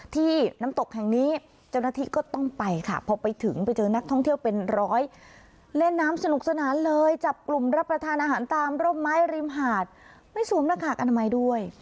ที่น้ำตกแห่งนี้เจ้าหน้าที่ก็ต้องไปค่ะพอไปถึงไปเจอนักท่องเที่ยวเป็นร้อยเล่นน้ำสนุกสนานเลยจับกลุ่มรับประทานอาหารตามร่มไม้ริมหาดไม่สวมหน้ากากอนามัยด้วย